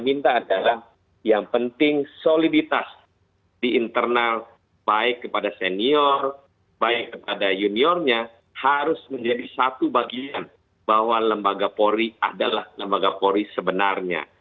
kita adalah yang penting soliditas di internal baik kepada senior baik kepada juniornya harus menjadi satu bagian bahwa lembaga polri adalah lembaga polri sebenarnya